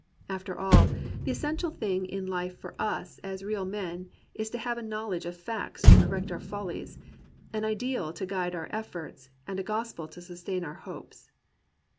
After all, the essential thing in life for us as real men is to have a knowledge of facts to correct our follies, an ideal to guide our efforts, and a gospel to sustain our hopes.